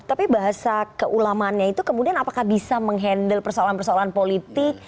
tapi bahasa keulamannya itu kemudian apakah bisa menghandle persoalan persoalan politik